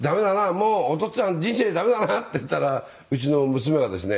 もうおとっつぁん人生駄目だな」って言ったらうちの娘がですね